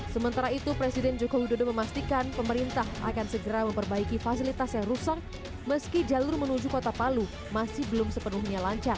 sementara itu presiden joko widodo memastikan pemerintah akan segera memperbaiki fasilitas yang rusak meski jalur menuju kota palu masih belum sepenuhnya lancar